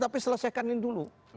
tapi selesaikan ini dulu